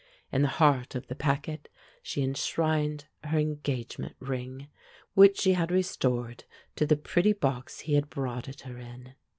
In the heart of the packet she enshrined her engagement ring which she had restored to the pretty box he had brought it her in.